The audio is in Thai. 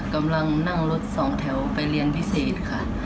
กำลังนั่งรถสองแถวไปเรียนพิเศษค่ะ